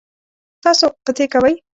تاسو قطعی کوئ؟